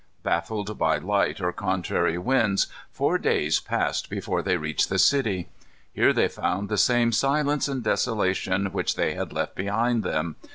Baffled by light or contrary winds, four days passed before they reached the city. Here they found the same silence and desolation which they had left behind them.